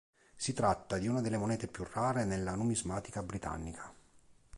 Si tratta di una delle monete più rare nella numismatica britannica.